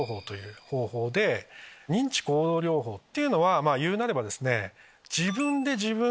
認知行動療法っていうのは言うなればですね。